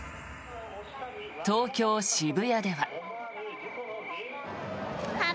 東京・渋谷では。